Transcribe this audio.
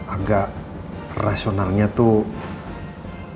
agak rasionalnya tuh